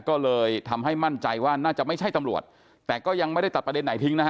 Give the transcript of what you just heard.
ก็เลยทำให้มั่นใจว่าน่าจะไม่ใช่ตำรวจแต่ก็ยังไม่ได้ตัดประเด็นไหนทิ้งนะฮะ